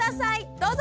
どうぞ！